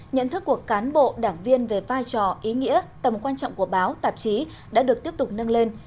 nhận thức của cán bộ đảng viên về vai trò ý nghĩa tầm quan trọng của báo tạp chí đã được tiếp tục nâng lên